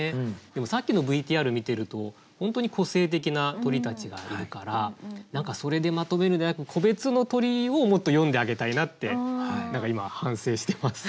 でもさっきのＶＴＲ観てると本当に個性的な鳥たちがいるから何かそれでまとめるんではなく個別の鳥をもっと詠んであげたいなって何か今反省しています。